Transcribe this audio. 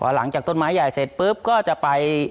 หลังจากต้นไม้ใหญ่เสร็จปุ๊บก็จะไป